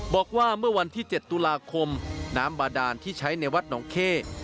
บอกว่าเมื่อวันที่๗ตุลาคมน้ำบาดานที่ใช้ในวัดหนองเข้